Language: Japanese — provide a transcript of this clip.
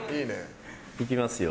いきますよ。